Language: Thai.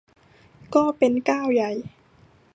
ก็เป็นก้าวใหญ่